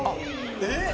えっ！？